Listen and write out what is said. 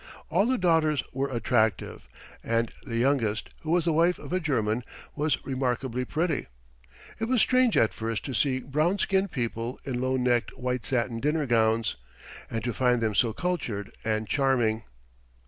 All the daughters were attractive, and the youngest, who was the wife of a German, was remarkably pretty. It was strange at first to see brown skinned people in low necked white satin dinner gowns, and to find them so cultured and charming.